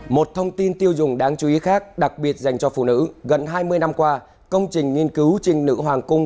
một thông tin tiêu dùng đáng chú ý khác đặc biệt dành cho phụ nữ gần hai mươi năm qua công trình nghiên cứu trình nữ hoàng cung